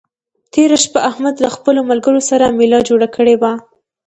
تېره شپه احمد له خپلو ملګرو سره مېله جوړه کړې وه.